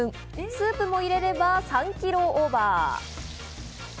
スープも入れれば３キロオーバー。